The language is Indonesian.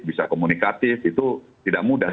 bisa komunikatif itu tidak mudah